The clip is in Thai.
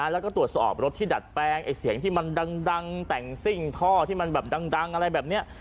แล้วก็ตรวจสอบรถที่ดัดแปลงเสียงที่มันดังแต่งซิ่งท่อที่มันแบบดังอะไรแบบนี้